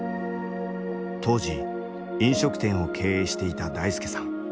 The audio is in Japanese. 当時飲食店を経営していた大輔さん。